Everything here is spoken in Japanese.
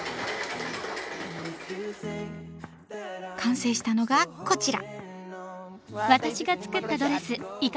完成したのがこちら！